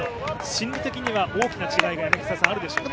心理的には大きな違いがあるでしょうね。